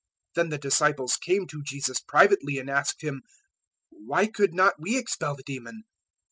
017:019 Then the disciples came to Jesus privately and asked Him, "Why could not we expel the demon?"